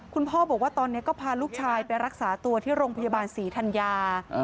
คุณพ่อบอกว่าตอนนี้ก็พาลูกชายไปรักษาตัวที่โรงพยาบาลศรีธัญญา